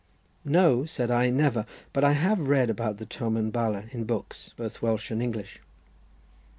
"No," said I, "never, but I have read about the Tomen Bala in books, both Welsh and English."